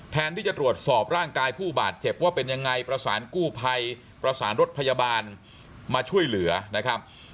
แทนที่จะตรวจสอบร่างกายผู้บาดเจ็บว่าเป็นยังไงประสานกู้ภัยประสานรถพยาบาลมาช่วยเหลือนะครับ